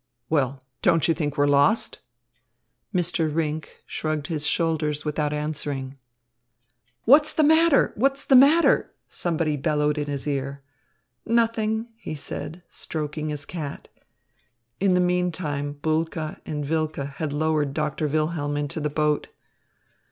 "Well, don't you think we're lost?" Mr. Rinck shrugged his shoulders without answering. "What's the matter? What's the matter?" somebody bellowed in his ear. "Nothing," he said, stroking his cat. In the meantime Bulke and Wilke had lowered Doctor Wilhelm into the boat.